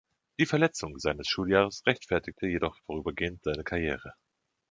Die Verletzung seines Schuljahres rechtfertigte jedoch vorübergehend seine Karriere.